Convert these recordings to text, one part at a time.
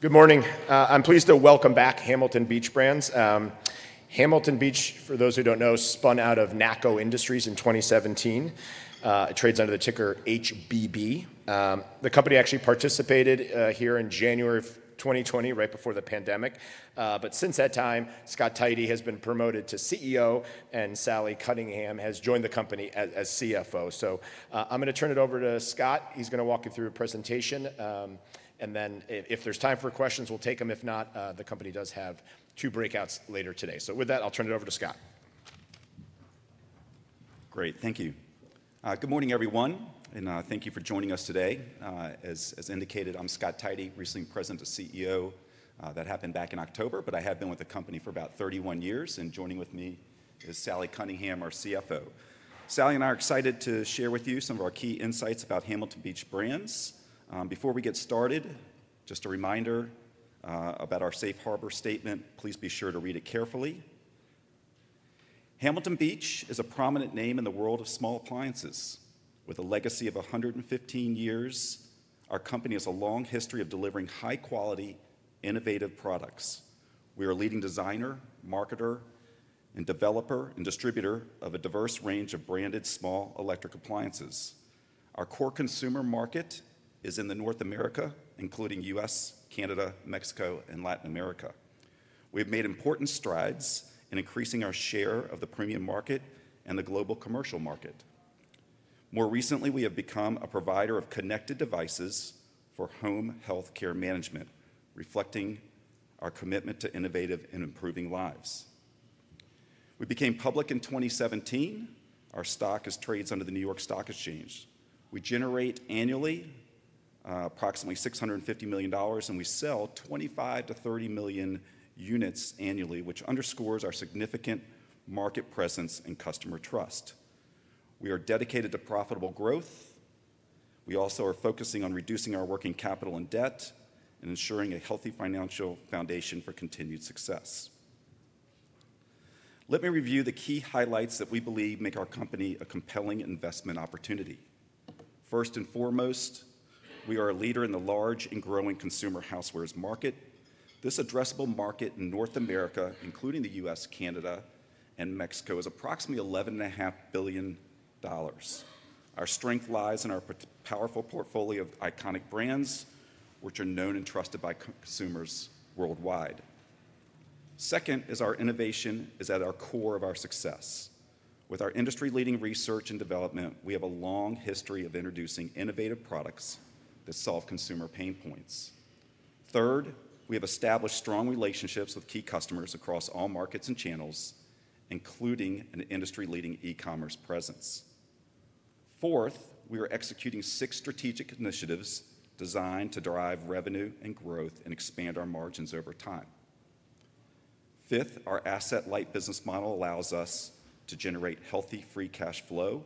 Good morning. I'm pleased to welcome back Hamilton Beach Brands. Hamilton Beach, for those who don't know, spun out of NACCO Industries in 2017. It trades under the ticker HBB. The company actually participated here in January of 2020, right before the pandemic. But since that time, Scott Tidey, President has been promoted to CEO, and Sally Cunningham has joined the company as CFO. So I'm going to turn it over to Scott. He's going to walk you through a presentation. And then if there's time for questions, we'll take them. If not, the company does have two breakouts later today. So with that, I'll turn it over to Scott. Great. Thank you. Good morning, everyone, and thank you for joining us today. As indicated, I'm Scott Tidey, recently President and CEO. That happened back in October, but I have been with the company for about 31 years, and joining with me is Sally Cunningham, our CFO. Sally and I are excited to share with you some of our key insights about Hamilton Beach Brands. Before we get started, just a reminder about our Safe Harbor statement. Please be sure to read it carefully. Hamilton Beach is a prominent name in the world of small appliances. With a legacy of 115 years, our company has a long history of delivering high-quality, innovative products. We are a leading designer, marketer, and developer, and distributor of a diverse range of branded small electric appliances. Our core consumer market is in North America, including the U.S., Canada, Mexico, and Latin America. We have made important strides in increasing our share of the premium market and the global commercial market. More recently, we have become a provider of connected devices for home health care management, reflecting our commitment to innovative and improving lives. We became public in 2017. Our stock trades under the New York Stock Exchange. We generate annually approximately $650 million, and we sell 25-30 million units annually, which underscores our significant market presence and customer trust. We are dedicated to profitable growth. We also are focusing on reducing our working capital and debt and ensuring a healthy financial foundation for continued success. Let me review the key highlights that we believe make our company a compelling investment opportunity. First and foremost, we are a leader in the large and growing consumer housewares market. This addressable market in North America, including the U.S., Canada, and Mexico, is approximately $11.5 billion. Our strength lies in our powerful portfolio of iconic brands, which are known and trusted by consumers worldwide. Second, our innovation is at the core of our success. With our industry-leading research and development, we have a long history of introducing innovative products that solve consumer pain points. Third, we have established strong relationships with key customers across all markets and channels, including an industry-leading e-commerce presence. Fourth, we are executing six strategic initiatives designed to drive revenue and growth and expand our margins over time. Fifth, our asset-light business model allows us to generate healthy free cash flow.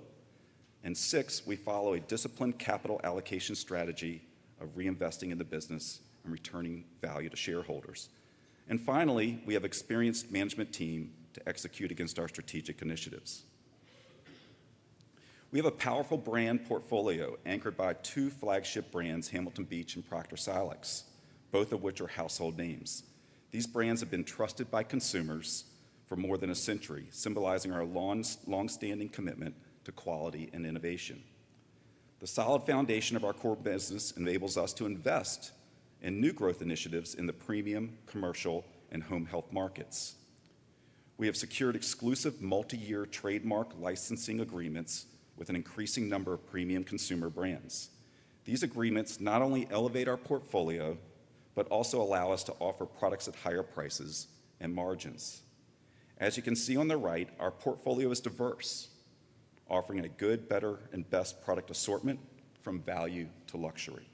And sixth, we follow a disciplined capital allocation strategy of reinvesting in the business and returning value to shareholders. And finally, we have an experienced management team to execute against our strategic initiatives. We have a powerful brand portfolio anchored by two flagship brands, Hamilton Beach and Proct Silex, both of which are household names. These brands have been trusted by consumers for more than a century, symbolizing our longstanding commitment to quality and innovation. The solid foundation of our core business enables us to invest in new growth initiatives in the premium, commercial, and home health markets. We have secured exclusive multi-year trademark licensing agreements with an increasing number of premium consumer brands. These agreements not only elevate our portfolio, but also allow us to offer products at higher prices and margins. As you can see on the right, our portfolio is diverse, offering a good, better, and best product assortment from value to luxury.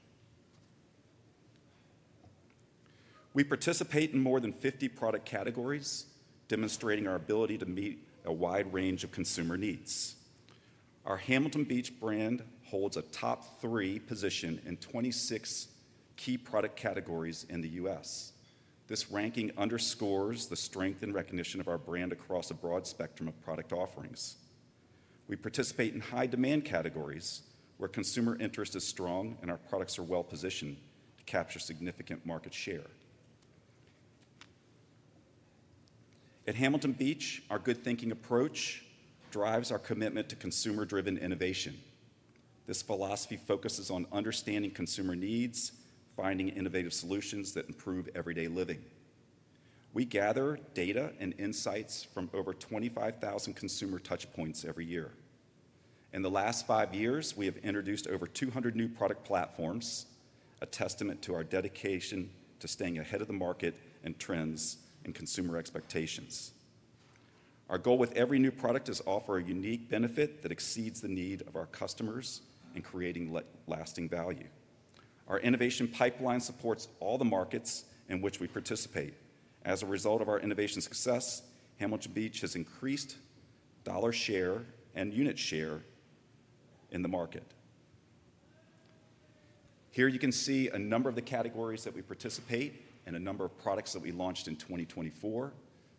We participate in more than 50 product categories, demonstrating our ability to meet a wide range of consumer needs. Our Hamilton Beach brand holds a top three position in 26 key product categories in the U.S. This ranking underscores the strength and recognition of our brand across a broad spectrum of product offerings. We participate in high-demand categories where consumer interest is strong, and our products are well-positioned to capture significant market share. At Hamilton Beach, our good thinking approach drives our commitment to consumer-driven innovation. This philosophy focuses on understanding consumer needs, finding innovative solutions that improve everyday living. We gather data and insights from over 25,000 consumer touchpoints every year. In the last five years, we have introduced over 200 new product platforms, a testament to our dedication to staying ahead of the market and trends in consumer expectations. Our goal with every new product is to offer a unique benefit that exceeds the need of our customers and creates lasting value. Our innovation pipeline supports all the markets in which we participate. As a result of our innovation success, Hamilton Beach has increased dollar share and unit share in the market. Here you can see a number of the categories that we participate in and a number of products that we launched in 2024.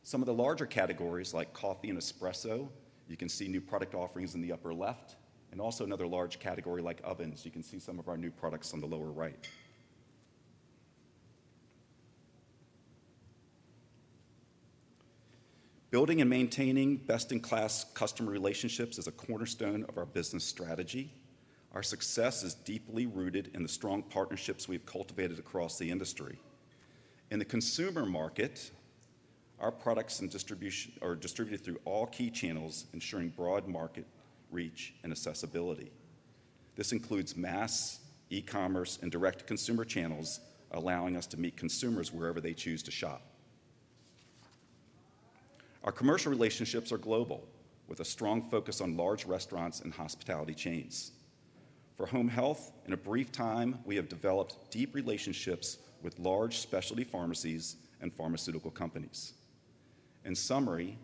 Some of the larger categories, like coffee and espresso, you can see new product offerings in the upper left, and also another large category, like ovens, you can see some of our new products on the lower right. Building and maintaining best-in-class customer relationships is a cornerstone of our business strategy. Our success is deeply rooted in the strong partnerships we've cultivated across the industry. In the consumer market, our products are distributed through all key channels, ensuring broad market reach and accessibility. This includes mass e-commerce and direct consumer channels, allowing us to meet consumers wherever they choose to shop. Our commercial relationships are global, with a strong focus on large restaurants and hospitality chains. For home health, in a brief time, we have developed deep relationships with large specialty pharmacies and pharmaceutical companies. In summary,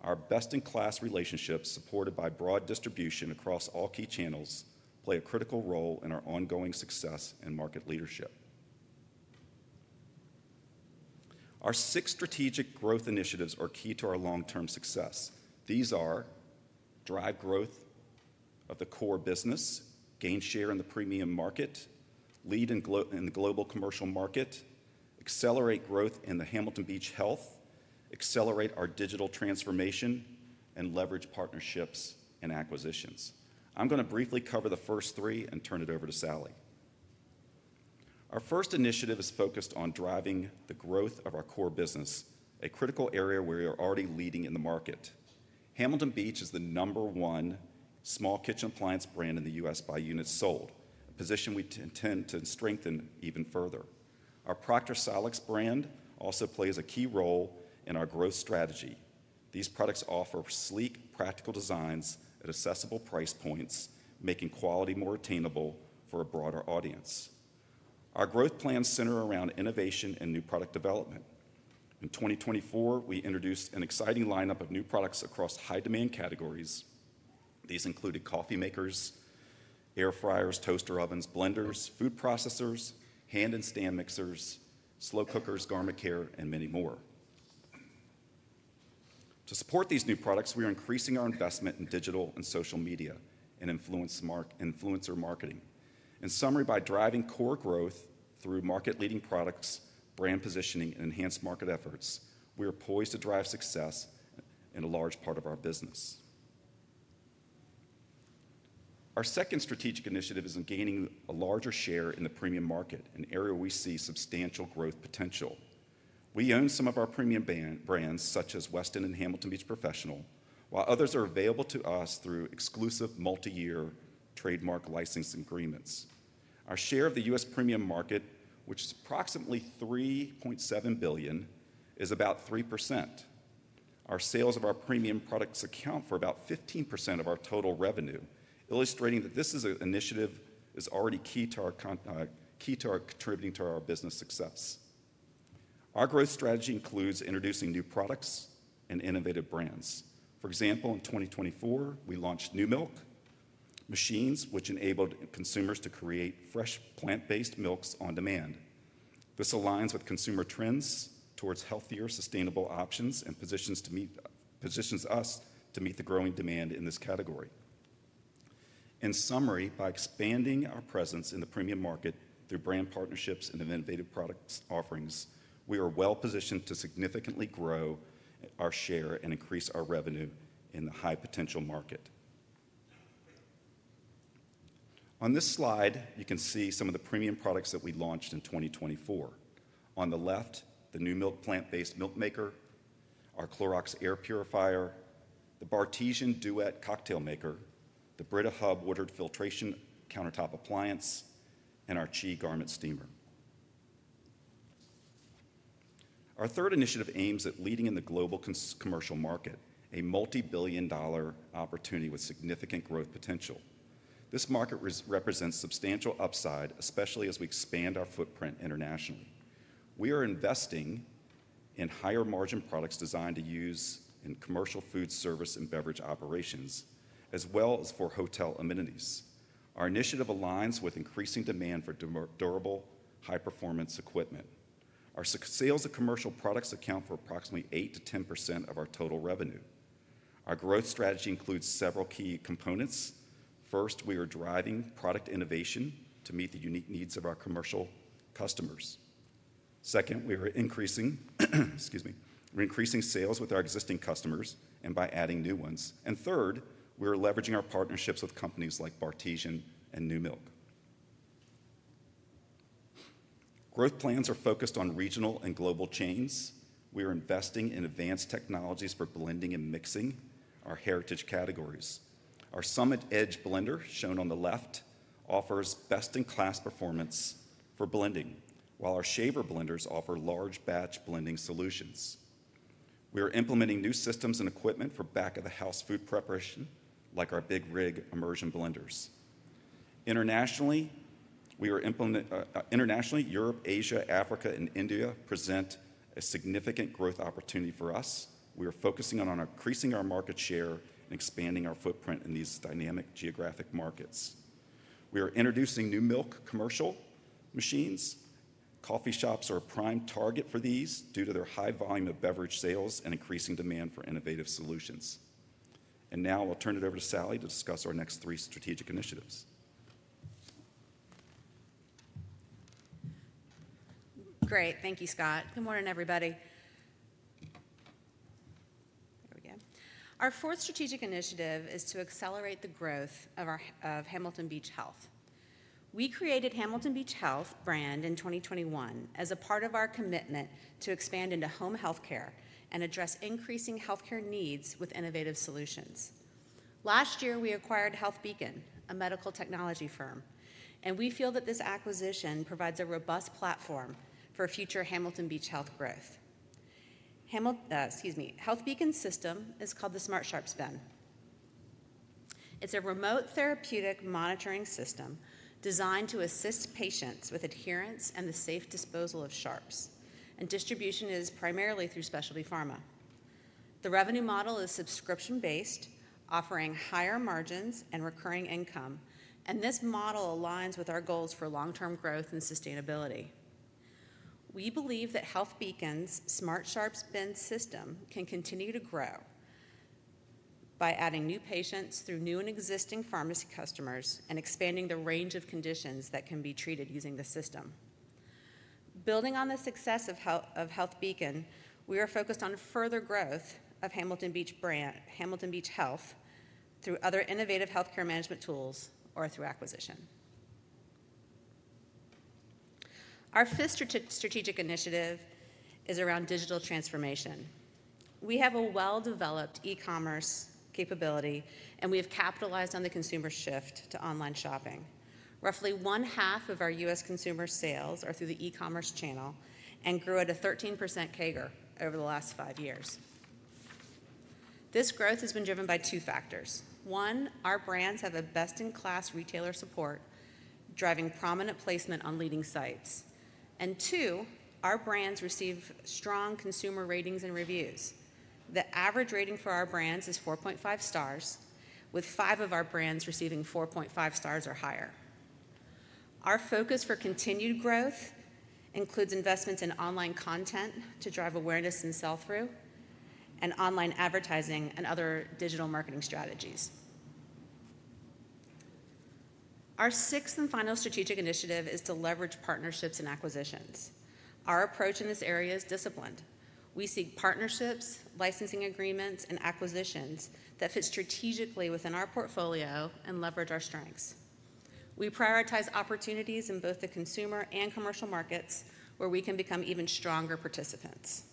our best-in-class relationships, supported by broad distribution across all key channels, play a critical role in our ongoing success and market leadership. Our six strategic growth initiatives are key to our long-term success. These are: drive growth of the core business, gain share in the premium market, lead in the global commercial market, accelerate growth in the Hamilton Beach Health, accelerate our digital transformation, and leverage partnerships and acquisitions. I'm going to briefly cover the first three and turn it over to Sally. Our first initiative is focused on driving the growth of our core business, a critical area where we are already leading in the market. Hamilton Beach is the number one small kitchen appliance brand in the U.S. by units sold, a position we intend to strengthen even further. Our Procter Silex brand also plays a key role in our growth strategy. These products offer sleek, practical designs at accessible price points, making quality more attainable for a broader audience. Our growth plans center around innovation and new product development. In 2024, we introduced an exciting lineup of new products across high-demand categories. These included coffee makers, air fryers, toaster ovens, blenders, food processors, hand and stand mixers, slow cookers, garment care, and many more. To support these new products, we are increasing our investment in digital and social media and influencer marketing. In summary, by driving core growth through market-leading products, brand positioning, and enhanced market efforts, we are poised to drive success in a large part of our business. Our second strategic initiative is in gaining a larger share in the premium market, an area where we see substantial growth potential. We own some of our premium brands, such as Weston and Hamilton Beach Professional, while others are available to us through exclusive multi-year trademark licensing agreements. Our share of the U.S. premium market, which is approximately $3.7 billion, is about 3%. Our sales of our premium products account for about 15% of our total revenue, illustrating that this initiative is already key to our contributing to our business success. Our growth strategy includes introducing new products and innovative brands. For example, in 2024, we launched Numilk machines, which enabled consumers to create fresh plant-based milks on demand. This aligns with consumer trends toward healthier, sustainable options and positions us to meet the growing demand in this category. In summary, by expanding our presence in the premium market through brand partnerships and innovative product offerings, we are well-positioned to significantly grow our share and increase our revenue in the high-potential market. On this slide, you can see some of the premium products that we launched in 2024. On the left, the Numilk plant-based milk maker, our Clorox air purifier, the Bartesian Duet cocktail maker, the Brita Hub water filtration countertop appliance, and our CHI garment steamer. Our third initiative aims at leading in the global commercial market, a multi-billion-dollar opportunity with significant growth potential. This market represents substantial upside, especially as we expand our footprint internationally. We are investing in higher-margin products designed to use in commercial food service and beverage operations, as well as for hotel amenities. Our initiative aligns with increasing demand for durable, high-performance equipment. Our sales of commercial products account for approximately 8%-10% of our total revenue. Our growth strategy includes several key components. First, we are driving product innovation to meet the unique needs of our commercial customers. Second, we are increasing sales with our existing customers and by adding new ones. And third, we are leveraging our partnerships with companies like Bartesian and Numilk. Growth plans are focused on regional and global chains. We are investing in advanced technologies for blending and mixing our heritage categories. Our Summit Edge blender, shown on the left, offers best-in-class performance for blending, while our Shaver blenders offer large-batch blending solutions. We are implementing new systems and equipment for back-of-the-house food preparation, like our Big Rig immersion blenders. Internationally, Europe, Asia, Africa, and India present a significant growth opportunity for us. We are focusing on increasing our market share and expanding our footprint in these dynamic geographic markets. We are introducing Numilk commercial machines. Coffee shops are a prime target for these due to their high volume of beverage sales and increasing demand for innovative solutions, and now I'll turn it over to Sally to discuss our next three strategic initiatives. Great. Thank you, Scott. Good morning, everybody. There we go. Our fourth strategic initiative is to accelerate the growth of Hamilton Beach Health. We created the Hamilton Beach Health brand in 2021 as a part of our commitment to expand into home healthcare and address increasing healthcare needs with innovative solutions. Last year, we acquired HealthBeacon, a medical technology firm, and we feel that this acquisition provides a robust platform for future Hamilton Beach Health growth. HealthBeacon's system is called the Smart Sharps Bin. It's a remote therapeutic monitoring system designed to assist patients with adherence and the safe disposal of sharps, and distribution is primarily through specialty pharma. The revenue model is subscription-based, offering higher margins and recurring income, and this model aligns with our goals for long-term growth and sustainability. We believe that HealthBeacon's Smart Sharps Bin system can continue to grow by adding new patients through new and existing pharmacy customers and expanding the range of conditions that can be treated using the system. Building on the success of HealthBeacon, we are focused on further growth of Hamilton Beach Health through other innovative healthcare management tools or through acquisition. Our fifth strategic initiative is around digital transformation. We have a well-developed e-commerce capability, and we have capitalized on the consumer shift to online shopping. Roughly 50% of our U.S. consumer sales are through the e-commerce channel and grew at a 13% CAGR over the last five years. This growth has been driven by two factors. One, our brands have a best-in-class retailer support, driving prominent placement on leading sites. And two, our brands receive strong consumer ratings and reviews. The average rating for our brands is 4.5 stars, with five of our brands receiving 4.5 stars or higher. Our focus for continued growth includes investments in online content to drive awareness and sell-through, and online advertising and other digital marketing strategies. Our sixth and final strategic initiative is to leverage partnerships and acquisitions. Our approach in this area is disciplined. We seek partnerships, licensing agreements, and acquisitions that fit strategically within our portfolio and leverage our strengths. We prioritize opportunities in both the consumer and commercial markets where we can become even stronger participants.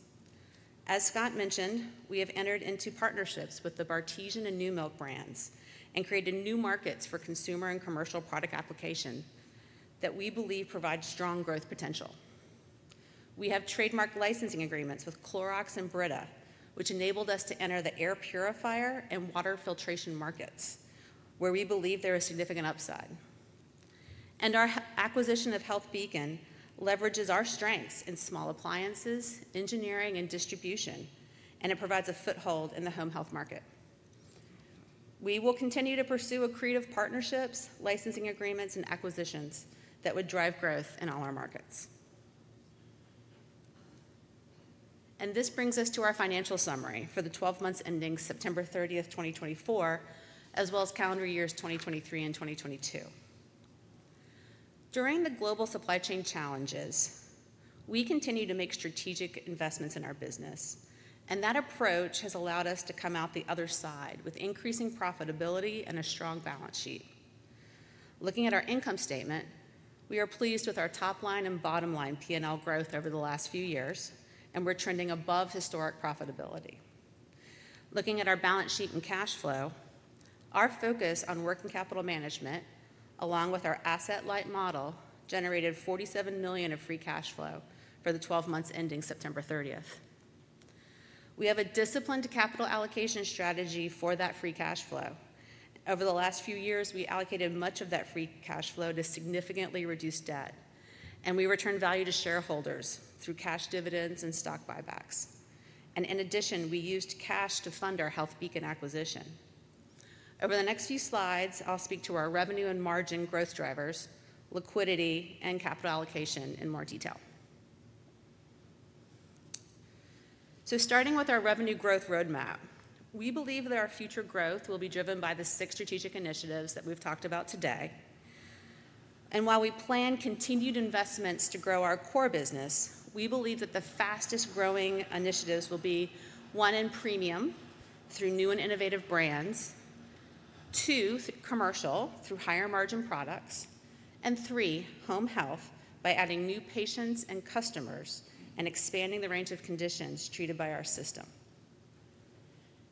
As Scott mentioned, we have entered into partnerships with the Bartesian and Numilk brands and created new markets for consumer and commercial product application that we believe provide strong growth potential. We have trademark licensing agreements with Clorox and Brita, which enabled us to enter the air purifier and water filtration markets, where we believe there is significant upside. Our acquisition of HealthBeacon leverages our strengths in small appliances, engineering, and distribution, and it provides a foothold in the home health market. We will continue to pursue creative partnerships, licensing agreements, and acquisitions that would drive growth in all our markets. This brings us to our financial summary for the 12 months ending September 30, 2024, as well as calendar years 2023 and 2022. During the global supply chain challenges, we continue to make strategic investments in our business, and that approach has allowed us to come out the other side with increasing profitability and a strong balance sheet. Looking at our income statement, we are pleased with our top-line and bottom-line P&L growth over the last few years, and we're trending above historic profitability. Looking at our balance sheet and cash flow, our focus on working capital management, along with our asset-light model, generated $47 million of free cash flow for the 12 months ending September 30. We have a disciplined capital allocation strategy for that free cash flow. Over the last few years, we allocated much of that free cash flow to significantly reduce debt, and we returned value to shareholders through cash dividends and stock buybacks, and in addition, we used cash to fund our HealthBeacon acquisition. Over the next few slides, I'll speak to our revenue and margin growth drivers, liquidity, and capital allocation in more detail. Starting with our revenue growth roadmap, we believe that our future growth will be driven by the six strategic initiatives that we've talked about today. While we plan continued investments to grow our core business, we believe that the fastest-growing initiatives will be one in premium through new and innovative brands, two commercial through higher-margin products, and three home health by adding new patients and customers and expanding the range of conditions treated by our system.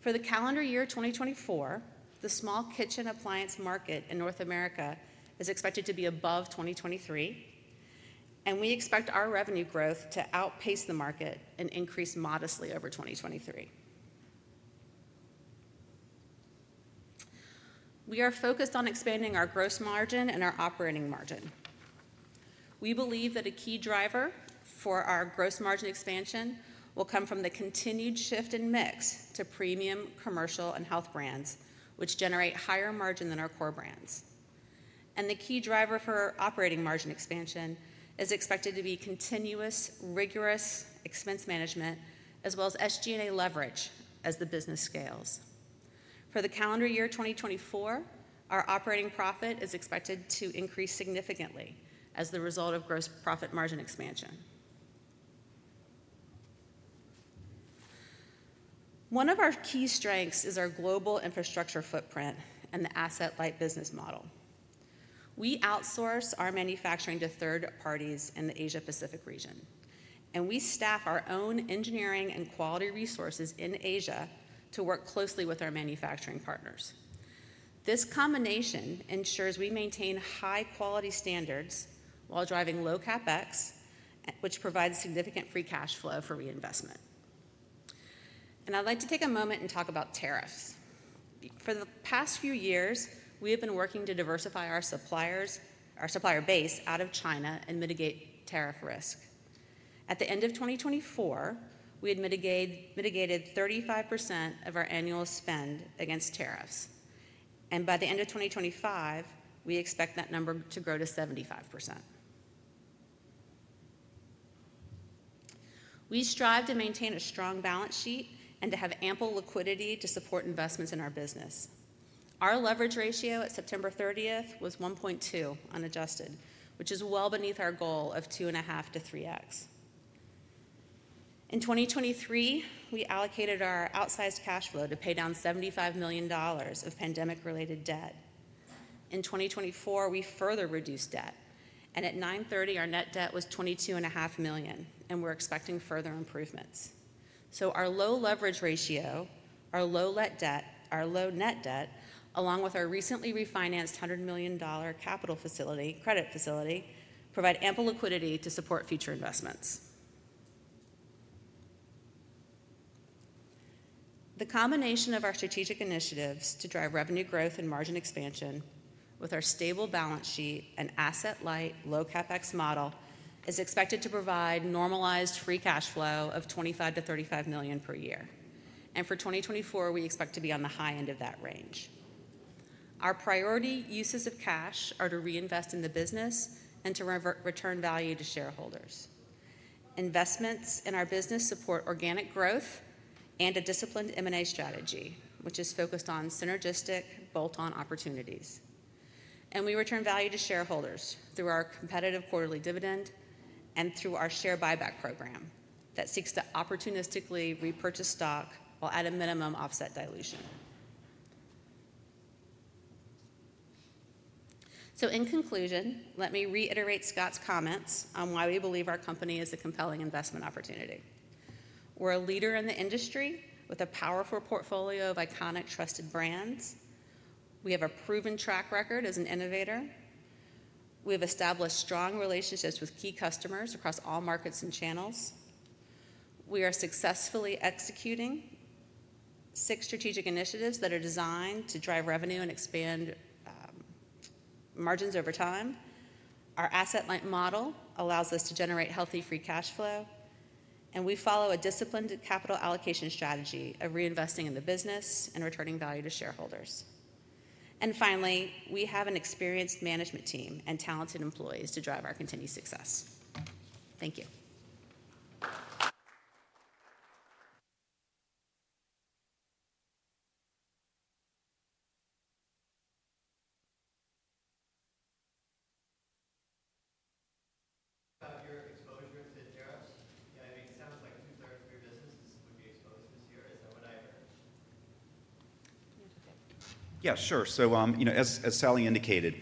For the calendar year 2024, the small kitchen appliance market in North America is expected to be above 2023, and we expect our revenue growth to outpace the market and increase modestly over 2023. We are focused on expanding our gross margin and our operating margin. We believe that a key driver for our gross margin expansion will come from the continued shift in mix to premium, commercial, and health brands, which generate higher margin than our core brands, and the key driver for operating margin expansion is expected to be continuous, rigorous expense management, as well as SG&A leverage as the business scales. For the calendar year 2024, our operating profit is expected to increase significantly as the result of gross profit margin expansion. One of our key strengths is our global infrastructure footprint and the asset-light business model. We outsource our manufacturing to third parties in the Asia-Pacific region, and we staff our own engineering and quality resources in Asia to work closely with our manufacturing partners. This combination ensures we maintain high-quality standards while driving low CapEx, which provides significant free cash flow for reinvestment. I'd like to take a moment and talk about tariffs. For the past few years, we have been working to diversify our supplier base out of China and mitigate tariff risk. At the end of 2024, we had mitigated 35% of our annual spend against tariffs. By the end of 2025, we expect that number to grow to 75%. We strive to maintain a strong balance sheet and to have ample liquidity to support investments in our business. Our leverage ratio at September 30 was 1.2 unadjusted, which is well beneath our goal of 2.5-3x. In 2023, we allocated our outsized cash flow to pay down $75 million of pandemic-related debt. In 2024, we further reduced debt, and at 9/30, our net debt was $22.5 million, and we're expecting further improvements. Our low leverage ratio, our low net debt, along with our recently refinanced $100 million capital credit facility, provide ample liquidity to support future investments. The combination of our strategic initiatives to drive revenue growth and margin expansion with our stable balance sheet and asset-light low CapEx model is expected to provide normalized free cash flow of $25-$35 million per year. For 2024, we expect to be on the high end of that range. Our priority uses of cash are to reinvest in the business and to return value to shareholders. Investments in our business support organic growth and a disciplined M&A strategy, which is focused on synergistic bolt-on opportunities. We return value to shareholders through our competitive quarterly dividend and through our share buyback program that seeks to opportunistically repurchase stock while at a minimum offset dilution. So in conclusion, let me reiterate Scott's comments on why we believe our company is a compelling investment opportunity. We're a leader in the industry with a powerful portfolio of iconic, trusted brands. We have a proven track record as an innovator. We have established strong relationships with key customers across all markets and channels. We are successfully executing six strategic initiatives that are designed to drive revenue and expand margins over time. Our asset-light model allows us to generate healthy free cash flow, and we follow a disciplined capital allocation strategy of reinvesting in the business and returning value to shareholders. And finally, we have an experienced management team and talented employees to drive our continued success. Thank you. About your exposure to tariffs. I mean, it sounds like two-thirds of your business would be exposed this year. Is that what I heard? Yeah, sure. Yeah, sure, so as Sally indicated,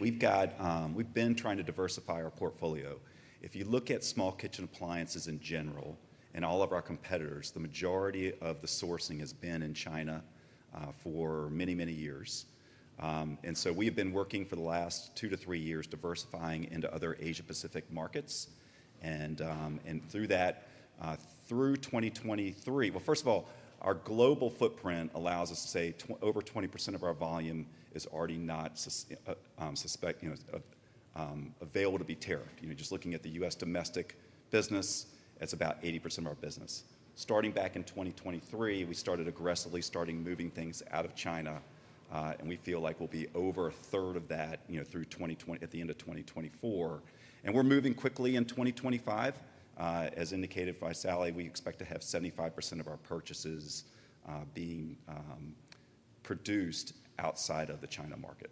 we've been trying to diversify our portfolio. If you look at small kitchen appliances in general and all of our competitors, the majority of the sourcing has been in China for many, many years, and so we have been working for the last two to three years diversifying into other Asia-Pacific markets. And through that, through 2023, well, first of all, our global footprint allows us to say over 20% of our volume is already not available to be tariffed. Just looking at the U.S. domestic business, it's about 80% of our business. Starting back in 2023, we started aggressively moving things out of China, and we feel like we'll be over a third of that through at the end of 2024. And we're moving quickly in 2025. As indicated by Sally, we expect to have 75% of our purchases being produced outside of the China market.